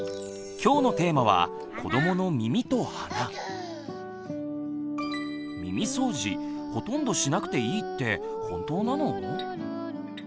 今日のテーマは耳そうじほとんどしなくていいって本当なの？